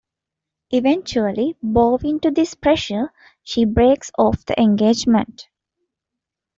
Eventually, bowing to this pressure, she breaks off the engagement.